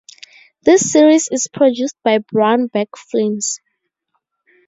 This series is produced by Brown Bag Films.